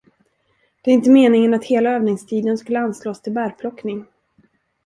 Det är inte meningen att hela övningstiden skulle anslås till bärplockning.